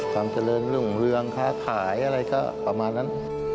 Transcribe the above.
ความเจริญรุ่งเรืองค้าขายอะไรก็ประมาณนั้น